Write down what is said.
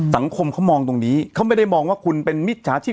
สังคมเขามองตรงนี้เขาไม่ได้มองว่าคุณเป็นมิจฉาชีพ